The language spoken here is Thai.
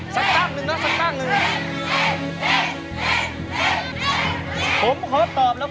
สักตั้งหนึ่งนะสักตั้งหนึ่ง